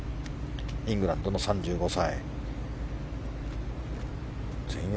イングランドの３５歳。